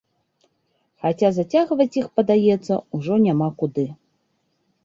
Хаця зацягваць іх, падаецца, ужо няма куды.